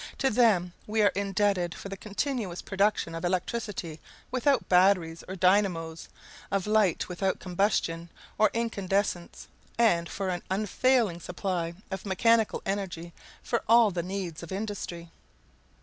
To them we are indebted for the continuous production of electricity without batteries or dynamos, of light without combustion or incandescence, and for an unfailing supply of mechanical energy for all the needs of industry.